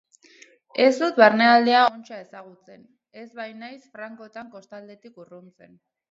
Ez dut barnekaldea ontsa ezagutzen, ez bainaiz frankotan kostaldetik urruntzen.